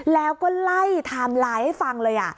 แล้วก็ไล่ไทม์ไลน์ให้ฟังเลย